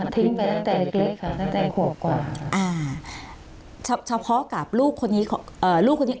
แต่ควบกว่าอ่าเฉพาะกับลูกคนนี้เอ่อลูกคนนี้